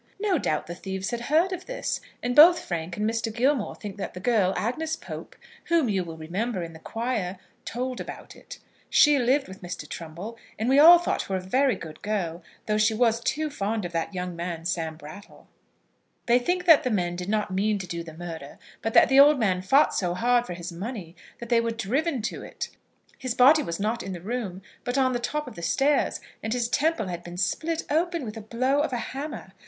No doubt the thieves had heard of this, and both Frank and Mr. Gilmore think that the girl, Agnes Pope, whom you will remember in the choir, told about it. She lived with Mr. Trumbull, and we all thought her a very good girl, though she was too fond of that young man, Sam Brattle. They think that the men did not mean to do the murder, but that the old man fought so hard for his money that they were driven to it. His body was not in the room, but on the top of the stairs, and his temple had been split open with a blow of a hammer.